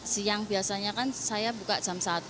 siang biasanya kan saya buka jam satu